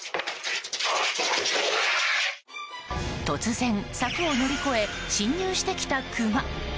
突然、柵を乗り越え侵入してきたクマ。